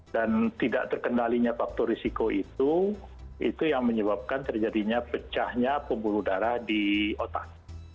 dan tidak terkendalinya faktor risiko itu itu yang menyebabkan terjadinya pecahnya pembuluh darah di otak